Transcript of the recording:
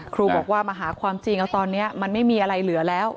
ครูบอกว่ามาหาความจริงเอาตอนนี้มันไม่มีอะไรเหลือแล้ว